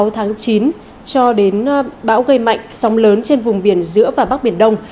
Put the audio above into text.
sáu tháng chín cho đến bão gây mạnh sóng lớn trên vùng biển giữa và bắc biển đông